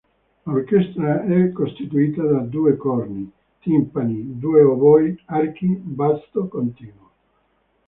L'orchestra è costituita da due corni, timpani, due oboi, archi, basso continuo.